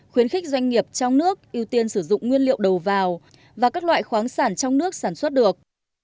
khuyến khích doanh nghiệp trong nước ưu tiên sử dụng nguyên liệu đầu vào và các loại khoáng sản trong nước sản xuất được